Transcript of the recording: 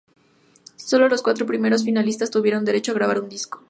Sólo los cuatro primeros finalistas tuvieron derecho a grabar un disco.